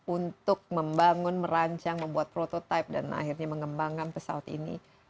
untuk membangun merancang membuat prototipe dan akhirnya mengembangkan pesawat ini